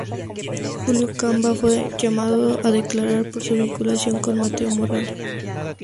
Julio Camba fue llamado a declarar por su vinculación con Mateo Morral.